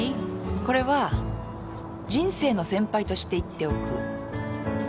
これは人生の先輩として言っておく。